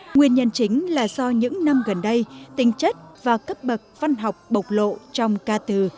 nguyên nhân chính là do những năm gần đây tinh chất và cấp bậc văn học bộc lộ trong ca từ